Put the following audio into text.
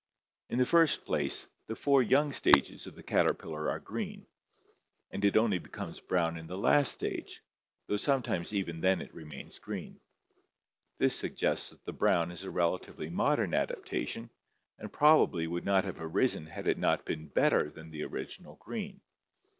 In the first place, the four young stages of the caterpillar are green, and it only becomes brown in the last stage, though sometimes even then it remains green. This suggests that the brown is a rela tively modern adaptation, and probably would not have arisen had it not been better than the original green.